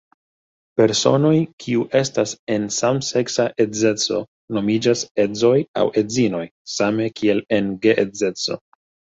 Personoj kiu estas en samseksa edzeco nomiĝas edzoj aŭ edzinoj, same kiel en geedzeco.